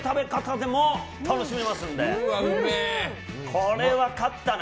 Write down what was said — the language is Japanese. これは勝ったな。